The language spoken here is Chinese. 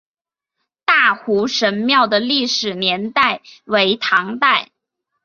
大湖神庙的历史年代为唐代。